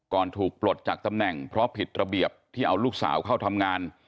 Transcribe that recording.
ก่อนถูกปลดจากตำแหน่งเพราะผิดระเบียบที่เอาลูกสาวเข้าทำงาน